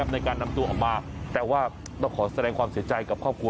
ในการนำตัวออกมาแต่ว่าต้องขอแสดงความเสียใจกับครอบครัว